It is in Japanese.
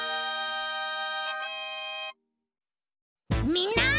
みんな！